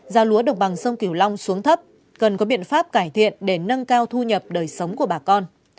gia lúa độc bằng sông kiều long xuống thấp cần có biện pháp cải thiện để nâng cao thu nhập đời sống của bà con